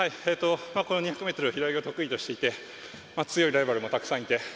２００ｍ平泳ぎを得意としていて強いライバルもたくさんいて。